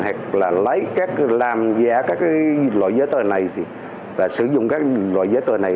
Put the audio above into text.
hay là lấy các làm giả các loại giấy tờ này và sử dụng các loại giấy tờ này